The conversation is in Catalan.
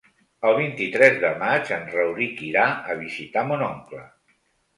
El vint-i-tres de maig en Rauric irà a visitar mon oncle.